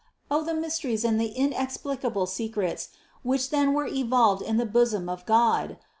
Oh the mysteries and the inexplicable secrets, which then were evolved in the bosom of God